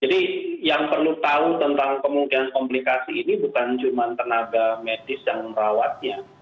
jadi yang perlu tahu tentang kemungkinan komplikasi ini bukan cuma tenaga medis yang merawatnya